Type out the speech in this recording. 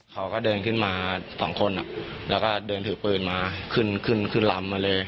เขาก็เดินขึ้นมาสองคนแล้วก็เดินถือปืนมาขึ้นขึ้นลำมาเลย